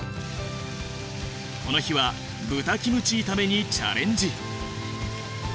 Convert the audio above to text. この日は豚キムチ炒めにチャレンジ。